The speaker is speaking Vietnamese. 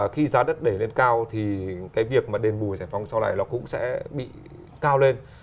khi giá đất đẩy lên cao thì cái việc mà đền bù giải phóng sau này nó cũng sẽ bị cao lên